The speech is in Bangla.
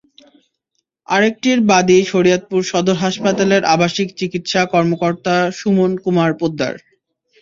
আরেকটির বাদী শরীয়তপুর সদর হাসপাতালের আবাসিক চিকিৎসা কর্মকর্তা সুমন কুমার পোদ্দার।